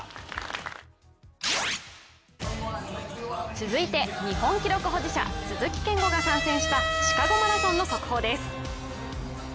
続いて、日本記録保持者鈴木健吾が参戦したシカゴマラソンの速報です。